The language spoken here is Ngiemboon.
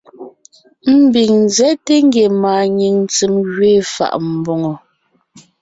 Ḿbiŋ ńzέte ngie màanyìŋ ntsém gẅiin fà’a mbòŋo.